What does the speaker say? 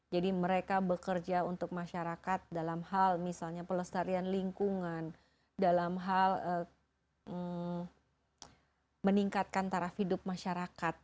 jadi mereka bekerja untuk masyarakat dalam hal misalnya pelestarian lingkungan dalam hal meningkatkan taraf hidup masyarakat